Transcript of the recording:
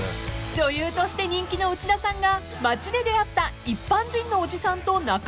［女優として人気の内田さんが街で出会った一般人のおじさんと仲良しに？］